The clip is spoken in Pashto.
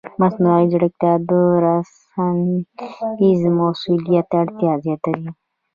مصنوعي ځیرکتیا د رسنیز مسؤلیت اړتیا زیاتوي.